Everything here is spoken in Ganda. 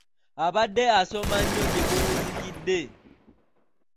Abadde asoma nnyo gye buwunzikidde.